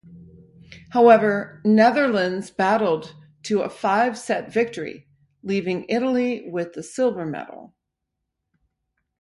However, Netherlands battled to a five-set victory leaving Italy with the silver medal.